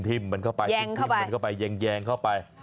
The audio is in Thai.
ทิ้มมันเข้าไปแยงเข้าไป